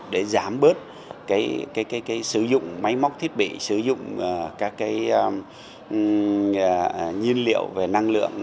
để giảm bớt cái sử dụng máy móc thiết bị sử dụng các cái nhiên liệu về năng lượng